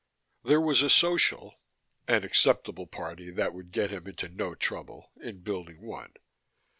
There was a Social, an acceptable party that would get him into no trouble, in Building One.